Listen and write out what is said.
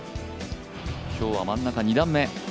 今日は真ん中２段目。